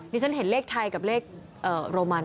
ฉันเห็นเลขไทยกับเลขโรมัน